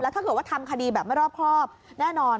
ถ้าเกิดว่าทำคดีแบบไม่รอบครอบแน่นอน